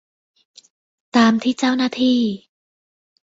ตามที่เจ้าหน้าที่